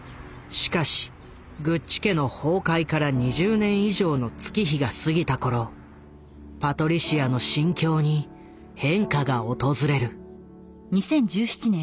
しかしグッチ家の崩壊から２０年以上の月日が過ぎた頃パトリシアの心境に変化が訪れる。